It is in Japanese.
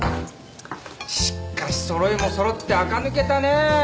しっかしそろいもそろってあか抜けたね。